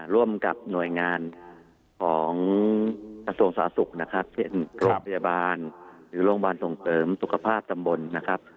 ร่วมกับหน่วยงานของกระทรวงสาธารณสุขนะครับเช่นโรงพยาบาลหรือโรงพยาบาลส่งเสริมสุขภาพตำบลนะครับ